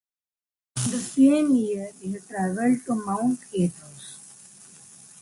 In the same year he traveled to Mount Athos.